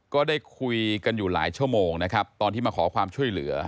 ก็ได้คุยกันอยู่หลายชั่วโมงนะครับตอนที่มาขอความช่วยเหลือ